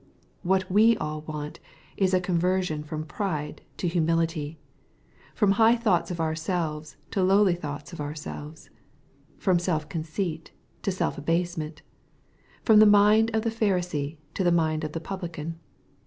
What we all want is a conversion from pride to humility — ^from high thoughts of ourselves to lowly thoughts of ourselves — from self conceit to self abase ment — from the mind of the Pharisee to the mind of the Publican.